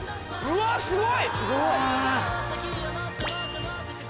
うわすごい！